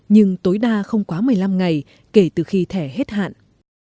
nhưng tối đa không quá một mươi năm ngày kể từ khi thẻ hết hạn